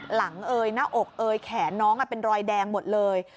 เอ่ยหน้าอกเอยแขนน้องเป็นรอยแดงหมดเลย